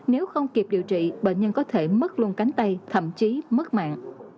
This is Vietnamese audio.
nếu không kịp điều trị bệnh nhân có thể mất luôn cánh tay thậm chí mất mạng